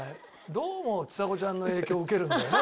どうもちさ子ちゃんの影響を受けるんだよね